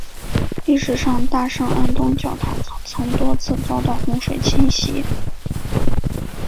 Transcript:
历史上大圣安东教堂曾多次遭到洪水侵袭。